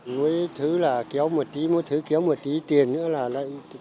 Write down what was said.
mỗi thứ là kéo một tí mỗi thứ kéo một tí tiền nữa là lại